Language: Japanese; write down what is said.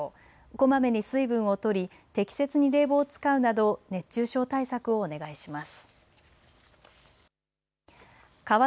こまめに水分をとり適切に冷房を使うなど熱中症対策をお願いします。